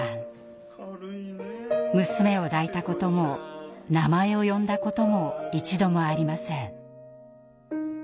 娘を抱いたことも名前を呼んだことも一度もありません。